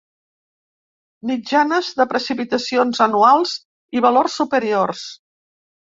Mitjanes de precipitacions anuals i valors superiors.